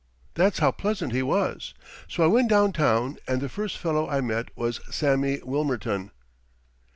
That's how pleasant he was. So I went downtown, and the first fellow I met was Sammy Wilmerton."